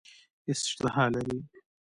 اشتها لري.